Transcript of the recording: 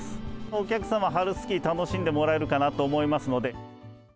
お客様、春スキー楽しんでもらえるかなと思いますので。